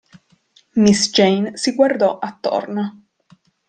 Miss Jane si guardò attorno.